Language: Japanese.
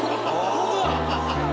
ホントだ！